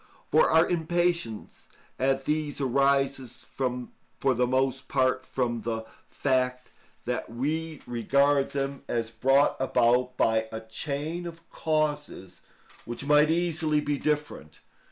For our impatience at these arises for the most part from the fact that we regard them as brought about by a chain of causes which might easily be different.